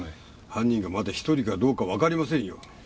犯人がまだ１人かどうかわかりませんよ。